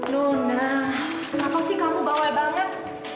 luna kenapa sih kamu bawal banget